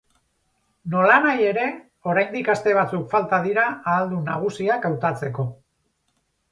Nolanahi ere, oraindik aste batzuk falta dira ahaldun nagusiak hautatzeko.